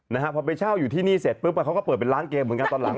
นะฮะพอไปเช่าอยู่ที่นี่เสร็จปุ๊บเขาก็เปิดเป็นร้านเกมเหมือนกันตอนหลัง